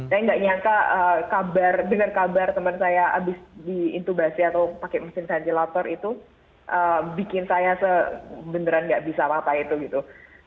saya nggak nyangka kabar dengar kabar teman saya habis diintubasi atau pakai mesin ventilator itu bikin saya beneran gak bisa apa apa itu gitu